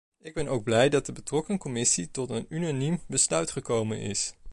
Ik ben ook blij dat de betrokken commissie tot een unaniem besluit gekomen is.